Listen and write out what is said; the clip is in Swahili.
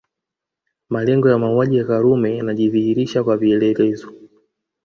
Malengo ya mauaji ya Karume yanajidhihirisha kwa vielelezo